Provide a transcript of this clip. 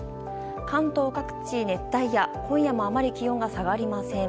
関東各地、熱帯夜、今夜もあまり気温が下がりません。